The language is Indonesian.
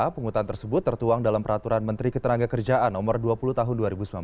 penghutan tersebut tertuang dalam peraturan menteri ketenaga kerjaan no dua puluh tahun dua ribu sembilan belas